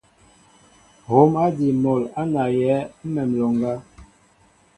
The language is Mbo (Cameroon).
Hǒm ádí mol á nawyɛέ ḿmem nloŋga.